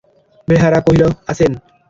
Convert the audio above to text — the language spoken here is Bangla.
বেহারা কহিল, আছেন।